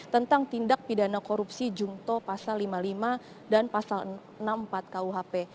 tentang tindak pidana korupsi jungto pasal lima puluh lima dan pasal enam puluh empat kuhp